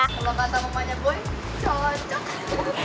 kalau kata rumahnya boy cocok